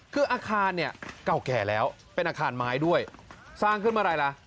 คืออาคารเนี่ยเก่าแก่แล้วเป็นอาคารไม้ด้วยสร้างขึ้นเมื่อไหร่ล่ะ